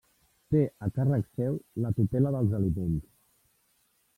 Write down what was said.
Té a càrrec seu la tutela dels aliments.